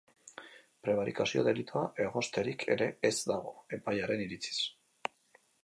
Prebarikazio delitua egozterik ere ez dago, epailearen iritziz.